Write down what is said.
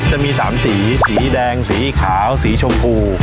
จะมี๓สีสีแดงสีขาวสีชมพู